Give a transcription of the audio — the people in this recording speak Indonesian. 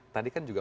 tadi kan juga